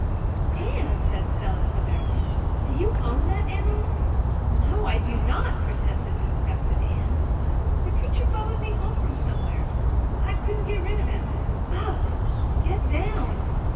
"Anne," said Stella severely, "do you own that animal?" "No, I do not," protested disgusted Anne. "The creature followed me home from somewhere. I couldn't get rid of him. Ugh, get down.